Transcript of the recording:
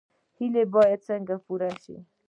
هیلې باید څنګه پوره شي؟